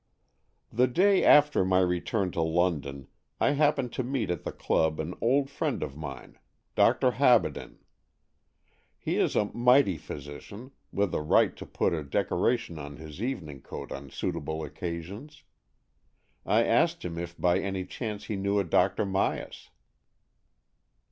The day after my return to London, I happened to meet at the Club an old friend AN EXCHANGE OF SOULS 11 of mine, Dr. Habaden. He is a mighty physician, with a right to put a decoration on his evening coat on suitable occasions. I asked him if by any chance he knew a Dr. Myas.